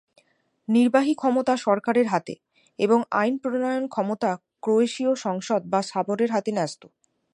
নির্বাহী ক্ষমতা সরকারের হাতে এবং আইন প্রণয়ন ক্ষমতা ক্রোয়েশীয় সংসদ বা সাবর-এর হাতে ন্যস্ত।